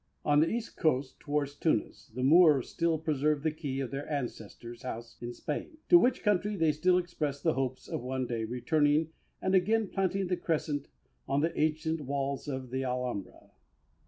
"On the east coast, towards Tunis, the Moors still preserve the key of their ancestors' houses in Spain; to which country they still express the hopes of one day returning and again planting the crescent on the ancient walls of the Alhambra."